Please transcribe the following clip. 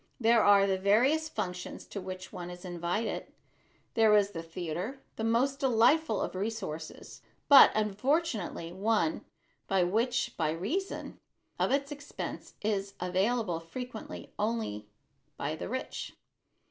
There are the various functions to which one is invited. There is the theater, the most delightful of resources, but unfortunately one which by reason of its expense is available frequently only by the rich.